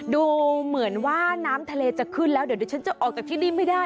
ดูเหมือนว่าน้ำทะเลจะขึ้นแล้วเดี๋ยวดิฉันจะออกจากที่นี่ไม่ได้